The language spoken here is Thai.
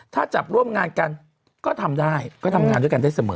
ถ้าจับร่วมงานกันก็ทำได้ก็ทำงานด้วยกันได้เสมอ